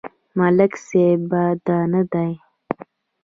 ملک صيب بد نه دی.